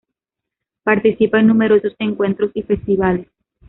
Participa en numerosos encuentros y festivales.